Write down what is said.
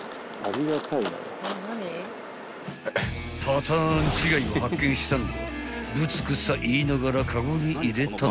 ［パターン違いを発見したのかぶつくさ言いながらカゴに入れたのは］